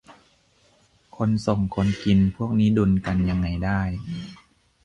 คนส่ง คนกิน พวกนี้ดุลกันยังไงได้